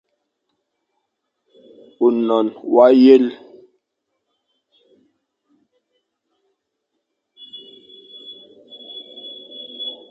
Ônon wa yel,,